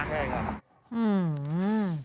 ใช่ครับ